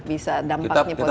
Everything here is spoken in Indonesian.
bisa dampaknya positif